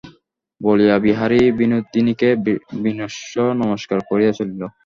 বলিয়া বিহারী বিনোদিনীকে বিনম্র নমস্কার করিয়া চলিল।